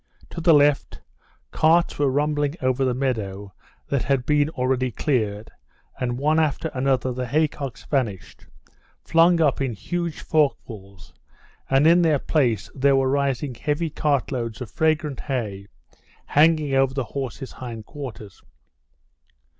To the left, carts were rumbling over the meadow that had been already cleared, and one after another the haycocks vanished, flung up in huge forkfuls, and in their place there were rising heavy cartloads of fragrant hay hanging over the horses' hind quarters.